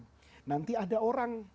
yang berpikir itu adalah